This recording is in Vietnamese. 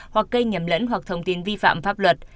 hoặc gây nhầm lẫn hoặc thông tin vi phạm pháp luật